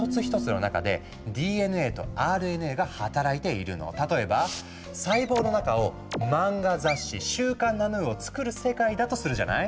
人間の体には例えば細胞の中を漫画雑誌「週刊ナヌーン」を作る世界だとするじゃない？